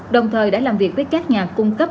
đồng thời đã làm việc với các nhà cung cấp